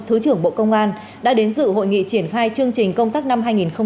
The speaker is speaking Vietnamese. thứ trưởng bộ công an đã đến dự hội nghị triển khai chương trình công tác năm hai nghìn hai mươi